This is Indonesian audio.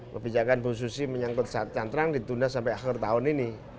pembicaraan bung susi menyangkut alat canterang ditunda sampai akhir tahun ini